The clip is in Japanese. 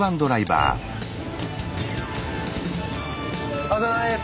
お疲れさまです。